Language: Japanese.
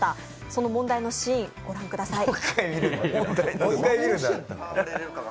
その問題のシーンご覧ください。